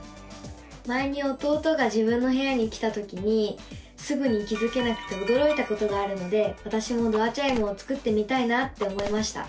前に弟が自分の部屋に来たときにすぐに気付けなくておどろいたことがあるのでわたしもドアチャイムを作ってみたいなって思いました！